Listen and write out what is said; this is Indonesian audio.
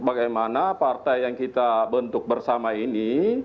bagaimana partai yang kita bentuk bersama ini